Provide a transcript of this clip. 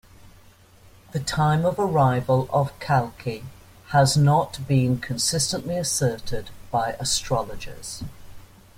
The time of arrival of Kalki has not been consistently asserted by astrologers.